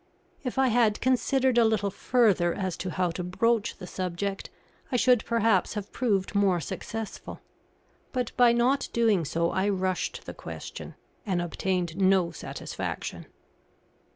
If I had considered a little further as to how to broach the subject, I should perhaps have proved more successful; but by not doing so I rushed the question and obtained no satisfaction.